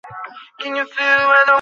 দেখি নি কে বললে?